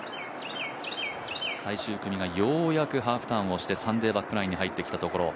最終組がようやくハーフターンをして、サンデーバックナインに入ってきたところ。